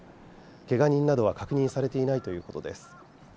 けが人などは確認されていないということです。